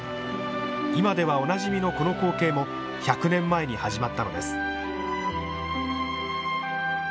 今では、おなじみのこの光景も１００年前に始まったのです。